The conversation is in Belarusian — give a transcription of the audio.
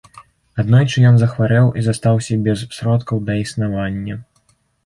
Аднойчы ён захварэў і застаўся без сродкаў да існавання.